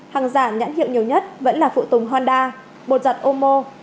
hàng giả nhãn hiệu nhiều nhất vẫn là phụ tùng honda bột giặt omo